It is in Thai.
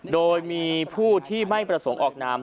โดยมีผู้ที่ไม่ประสงค์ออกนาม